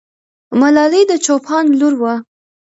ملالۍ د چوپان لور وه.